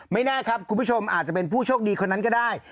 แน่ครับคุณผู้ชมอาจจะเป็นผู้โชคดีคนนั้นก็ได้